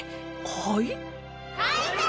はい？